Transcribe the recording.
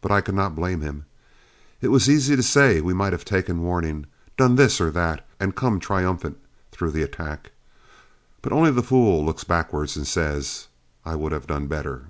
But I could not blame him. It is easy to say we might have taken warning, done this or that, and come triumphant through the attack. But only the fool looks backward and says, "I would have done better."